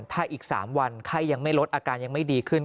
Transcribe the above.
ถ้าอีก๓วันไข้ยังไม่ลดอาการยังไม่ดีขึ้น